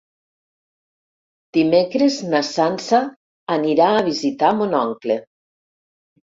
Dimecres na Sança anirà a visitar mon oncle.